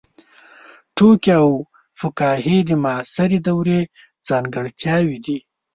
ټوکي او فکاهي د معاصرې دورې ځانګړتیاوې دي.